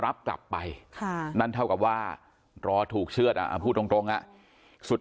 รับกลับไปนั่นเท่ากับว่ารอถูกเชื่อดพูดตรงสุด